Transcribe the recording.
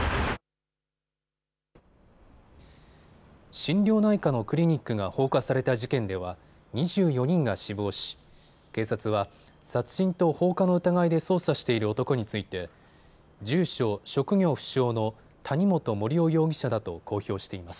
診療内科のクリニックが放火された事件では２４人が死亡し警察は殺人と放火の疑いで捜査している男について住所・職業不詳の谷本盛雄容疑者だと公表しています。